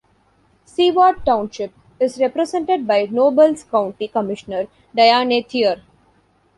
Seward Township is represented by Nobles County Commissioner Diane Thier.